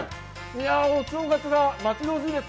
お正月が待ち遠しいです。